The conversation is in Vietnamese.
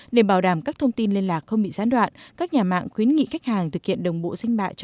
để bảo đảm các thông tin liên lạc không bị gián đoạn các nhà mạng khuyến nghị khách hàng thực hiện đồng bộ sinh mạng